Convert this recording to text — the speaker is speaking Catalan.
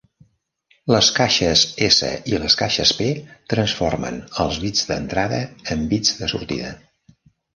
Les caixes S i les caixes P transformen els bits d'entrada en bits de sortida.